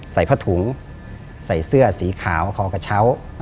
ใส่ผ้าถุงใส่เสื้อสีขาวของกระเช้า